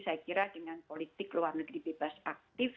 saya kira dengan politik luar negeri bebas aktif